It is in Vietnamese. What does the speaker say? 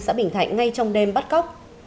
xã bình thạnh ngay trong đêm bắt góc